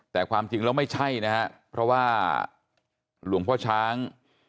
แต่ความจริงแล้วไม่ใช่นะฮะเพราะว่าหลวงพ่อช้าง